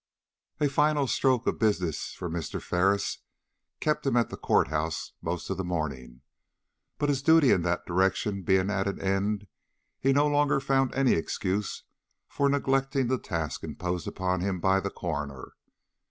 A final stroke of business for Mr. Ferris kept him at the court house most of the morning; but his duty in that direction being at an end, he no longer found any excuse for neglecting the task imposed upon him by the coroner.